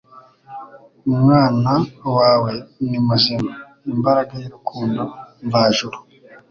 “Umwana wawe ni muzima,” imbaraga y’urukundo mvajuru